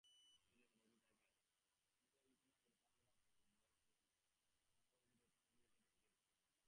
বিভিন্ন কর্মসূচির কার্যকারিতার তারতম্য থেকে সংশ্লিষ্ট কর্মসূচির দক্ষতার ব্যাপারে গুরুত্বপূর্ণ ধারণা মেলে।